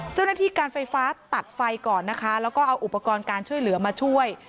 เจ้าหน้าที่การไฟฟ้าตัดไฟก่อนนะคะแล้วก็เอาอุปกรณ์การช่วยเหลือมาช่วย